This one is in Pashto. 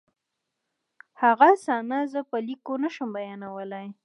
هغه صحنه زه په لیکلو نشم بیانولی